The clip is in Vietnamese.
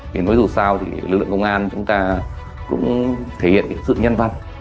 vì nói dù sao thì lực lượng công an chúng ta cũng thể hiện sự nhân văn